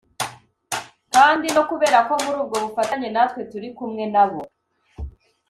kandi no kubera ko muri ubwo bufatanye natwe turi kumwe nabo